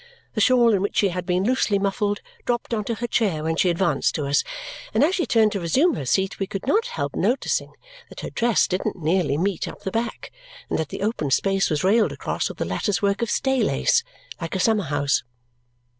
The shawl in which she had been loosely muffled dropped onto her chair when she advanced to us; and as she turned to resume her seat, we could not help noticing that her dress didn't nearly meet up the back and that the open space was railed across with a lattice work of stay lace like a summer house.